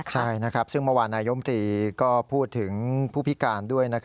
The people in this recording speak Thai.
ใช่ซึ่งเมื่อวานนายมตรีก็พูดถึงผู้พิการด้วย